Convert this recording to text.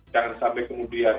jangan sampai kemudian